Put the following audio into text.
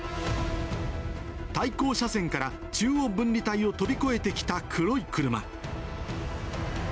対向車線から中央分離帯を飛び越えてきた黒い車。